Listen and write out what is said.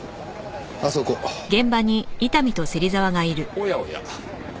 おやおや。